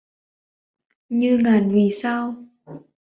Như ngàn vì sao